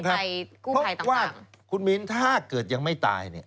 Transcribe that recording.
เพราะว่าคุณมิ้นถ้าเกิดยังไม่ตาย